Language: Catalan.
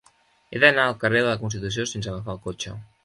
He d'anar al carrer de la Constitució sense agafar el cotxe.